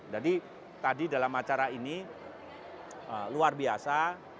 jadi tadi dalam acara ini luar biasa